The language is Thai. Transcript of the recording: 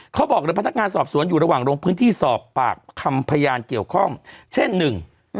เขาบอกเลยพนักงานสอบสวนอยู่ระหว่างลงพื้นที่สอบปากคำพยานเกี่ยวข้องเช่นหนึ่ง